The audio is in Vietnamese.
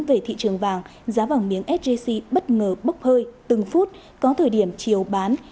về thị trường vàng giá vàng miếng sjc bất ngờ bốc hơi từng phút có thời điểm chiều bán